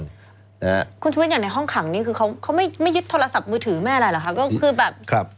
คุณชุมิตอย่างในห้องขังนี้คือเขาไม่ยึดโทรศัพท์มือถือแม่อะไรหรอค่ะ